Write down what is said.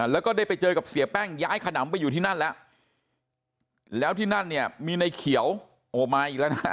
แล้วก็ได้ไปเจอกับเสียแป้งย้ายขนำไปอยู่ที่นั่นแล้วแล้วที่นั่นเนี่ยมีในเขียวโอ้มาอีกแล้วนะ